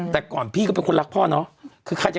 แล้วเราวะพวกเราวะ